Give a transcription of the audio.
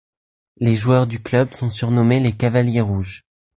Les joueurs du club sont surnommés Les Cavaliers rouges.